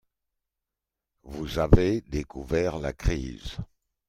Vous avez découvert la crise.